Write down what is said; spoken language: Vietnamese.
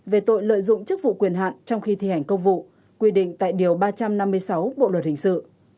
về tội lợi dụng chức vụ quyền hạn trong khi thi hành công vụ quy định tại điều ba trăm năm mươi sáu bộ luật hình sự